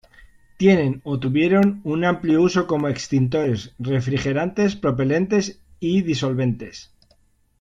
Tienen o tuvieron un amplio uso como extintores, refrigerantes, propelentes y disolventes.